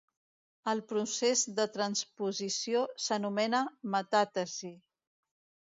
El procés de transposició s'anomena metàtesi.